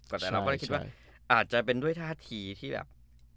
แต่เราก็เลยคิดว่าอาจจะเป็นด้วยท่าทีที่แบบ